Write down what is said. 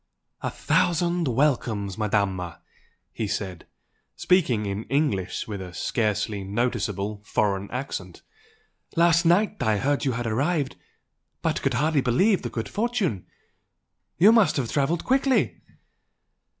"A thousand welcomes, Madama!" he said, speaking in English with a scarcely noticeable foreign accent "Last night I heard you had arrived, but could hardly believe the good fortune! You must have travelled quickly?"